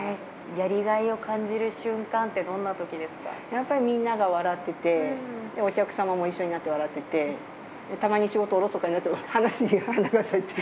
やりがいを感じる瞬間って、やっぱりみんなが笑ってて、お客様も一緒になって笑ってて、たまに仕事おろそかになって話の花が咲いてる。